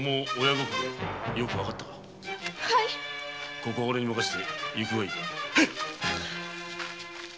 ここはオレに任せて行くがいい。